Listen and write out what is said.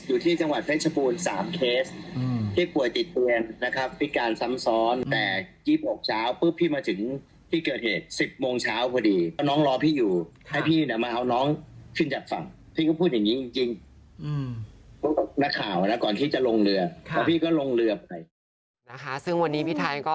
อืมนักข่าวนะก่อนที่จะลงเรือค่ะแล้วพี่ก็ลงเรือไปนะคะซึ่งวันนี้พี่ไทยก็